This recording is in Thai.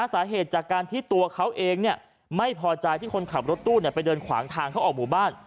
สาเหตุจากการที่ตัวเขาเองไม่พอใจที่คนขับรถตู้ไปเดินขวางทางเข้าออกหมู่บ้าน